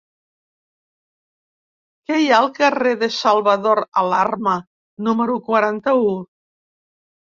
Què hi ha al carrer de Salvador Alarma número quaranta-u?